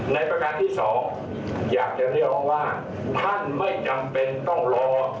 ประการที่สองอยากจะเรียกร้องว่าท่านไม่จำเป็นต้องรอ